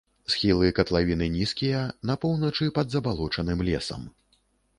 Схілы катлавіны нізкія, на поўначы пад забалочаным лесам.